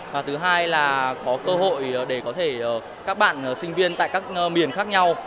và thứ hai là có cơ hội để có thể các bạn sinh viên tại các miền khác nhau